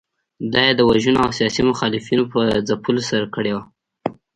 دا یې د وژنو او سیاسي مخالفینو په ځپلو سره کړې وه.